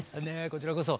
こちらこそ。